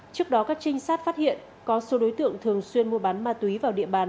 trước đó các trinh sát phát hiện có số đối tượng thường xuyên mua bán ma túy vào địa bàn